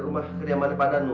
rumah kediaman padhanu